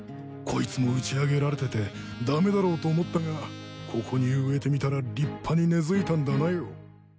こいつも打ち上げられてて駄目だろうと思ったがここに植えてみたら立派に根付いたんだなよ。